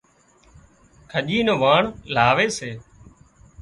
کڄي نُون واڻ لاوي سي